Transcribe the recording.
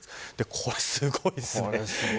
これすごいですね。